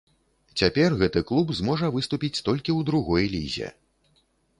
Цяпер гэты клуб зможа выступіць толькі ў другой лізе.